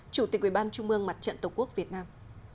chủ tịch ubnd trung mương mặt trận tổ quốc việt nam